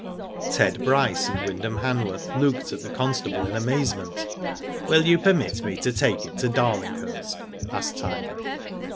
Ted Bryce and Wyndham Hanworth looked at the constable in amazement. " Will you permit me to take it to Darling hurst ?" asked Tyler.